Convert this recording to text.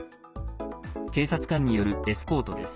警察官によるエスコートです。